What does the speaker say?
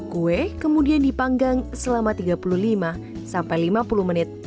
kue kemudian dipanggang selama tiga puluh lima sampai lima puluh menit